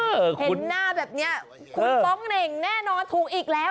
เห็นหน้าแบบนี้คุณฟ้องเหน่งแน่นอนถูกอีกแล้ว